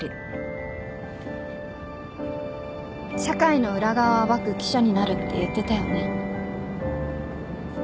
「社会の裏側を暴く記者になる」って言ってたよね。